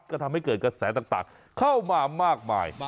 ก็ทำให้เกิดกระแสต่างเข้ามามากมาย